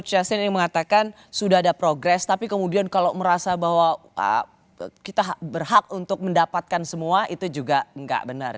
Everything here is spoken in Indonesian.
mas yassin ini mengatakan sudah ada progres tapi kemudian kalau merasa bahwa kita berhak untuk mendapatkan semua itu juga nggak benar